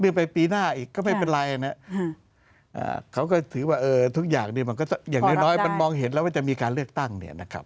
ไปปีหน้าอีกก็ไม่เป็นไรนะเขาก็ถือว่าทุกอย่างเนี่ยมันก็อย่างน้อยมันมองเห็นแล้วว่าจะมีการเลือกตั้งเนี่ยนะครับ